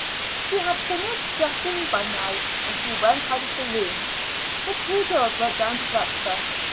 She had finished dressing by now, and she went out of the room. The two girls went down to breakfast.